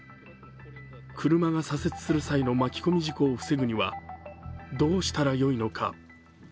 車を左折する際の巻き込み事故を防ぐには、どうしたらよいのか？